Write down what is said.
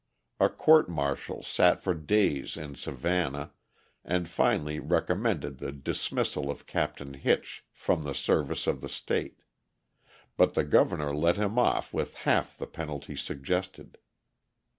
A court martial sat for days in Savannah and finally recommended the dismissal of Captain Hitch from the service of the state; but the Governor let him off with half the penalty suggested.